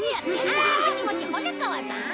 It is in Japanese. あーもしもし骨川さん？